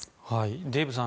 デーブさん